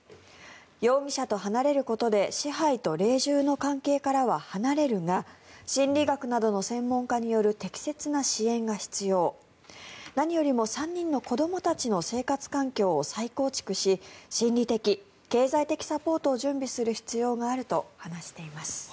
容疑者と離れることで支配と隷従の関係からは離れるが心理学などの専門家による適切な支援が必要何よりも３人の子どもたちの生活環境を再構築し心理的・経済的サポートを準備する必要があると話しています。